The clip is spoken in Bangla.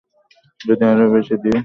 যদি আরো বেশি দিই?